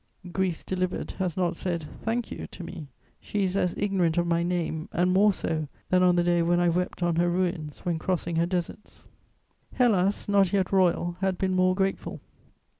Greece delivered has not said, "Thank you" to me. She is as ignorant of my name and more so than on the day when I wept on her ruins when crossing her deserts. Hellas, not yet royal, had been more grateful.